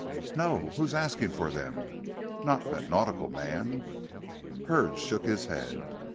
"No. Who are asking for them? Not that nautical man?" Hurd shook his head.